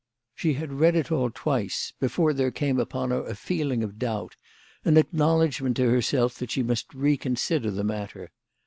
She had read it all twice before there came upon her a feeling of doubt, an acknowledgment to herself that she must reconsider the matter.